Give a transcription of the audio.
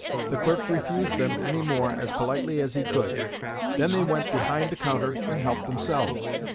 The clerk refused them any more as politely as he could. Then they went behind the counter and helped themselves.